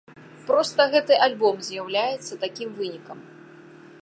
Проста гэты альбом з'яўляецца такім вынікам.